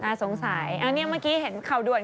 สงสัยอันนี้เมื่อกี้เห็นข่าวด่วน